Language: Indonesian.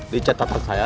dicatat ke saya